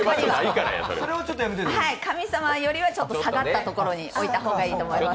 神様よりは下がったところに置いた方がいいと思います。